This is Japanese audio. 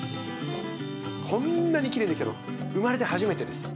こんなにきれいにできたの生まれて初めてです。